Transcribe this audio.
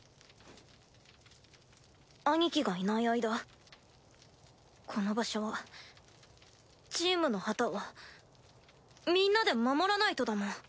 アニキがいない間この場所をチームの旗をみんなで守らないとだもん。